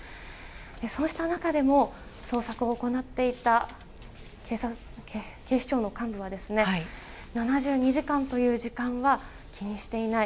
そうした中でも捜索を行っていた警視庁の幹部は７２時間という時間は気にしていない